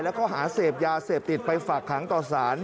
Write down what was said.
แล้วก็หาเสพยาเสพติดไปฝากขังต่อสาร